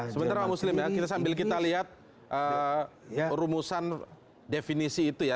sebentar pak muslim ya sambil kita lihat rumusan definisi itu ya